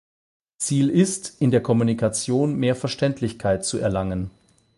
Ziel ist, in der Kommunikation mehr Verständlichkeit zu erlangen.